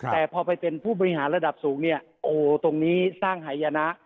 แต่พอไปเป็นผู้บริหารระดับสูงเนี่ยโอ้ตรงนี้สร้างหายนะ